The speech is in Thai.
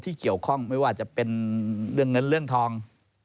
เกี่ยวข้องไม่ว่าจะเป็นเรื่องเงินเรื่องทอง